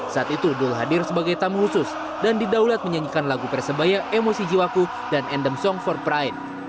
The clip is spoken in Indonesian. saat itu dul hadir sebagai tamu khusus dan didaulat menyanyikan lagu persebaya emosi jiwaku dan endem song for prine